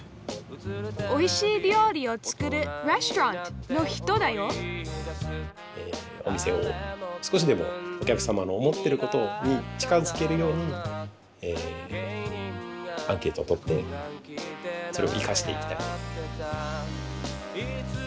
おいしい料理を作るレストランの人だよお店を少しでもお客様の思ってることに近づけるようにアンケートをとってそれを生かしていきたい。